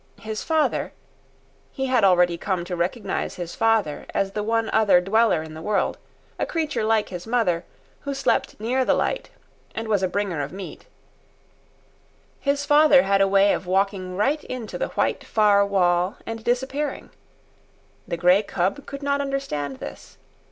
His father (he had already come to recognise his father as the one other dweller in the world, a creature like his mother, who slept near the light and was a bringer of meat)—his father had a way of walking right into the white far wall and disappearing. The grey cub could not understand this.